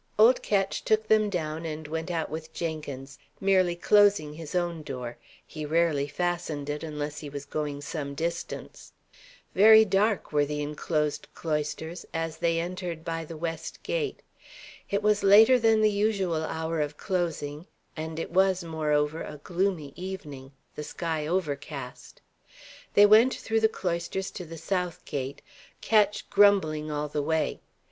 Old Ketch took them down and went out with Jenkins, merely closing his own door; he rarely fastened it, unless he was going some distance. Very dark were the enclosed cloisters, as they entered by the west gate. It was later than the usual hour of closing, and it was, moreover, a gloomy evening, the sky overcast. They went through the cloisters to the south gate, Ketch grumbling all the way.